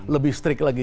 lebih strik lagi